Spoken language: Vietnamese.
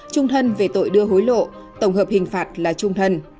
trung thân về tội đưa hối lộ tổng hợp hình phạt là trung thân